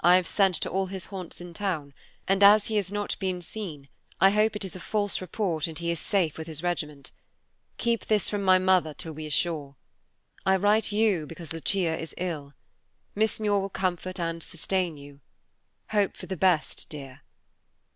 I have sent to all his haunts in town, and as he has not been seen, I hope it is a false report and he is safe with his regiment. Keep this from my mother till we are sure. I write you, because Lucia is ill. Miss Muir will comfort and sustain you. Hope for the best, dear.